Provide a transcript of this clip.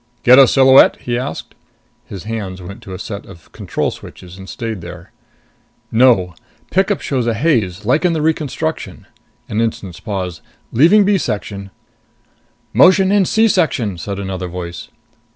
"Get a silhouette?" he asked. His hands went to a set of control switches and stayed there. "No. Pickup shows a haze like in the reconstruct." An instant's pause. "Leaving B section." "Motion in C section," said another voice.